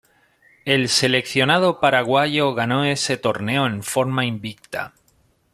El seleccionado paraguayo ganó ese torneo en forma invicta.